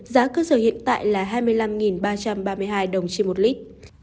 giá cơ sở hiện tại là hai mươi năm ba trăm ba mươi hai đồng trên một lít